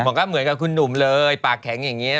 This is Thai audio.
มันก็เหมือนกับคุณหนุ่มเลยปากแข็งอย่างนี้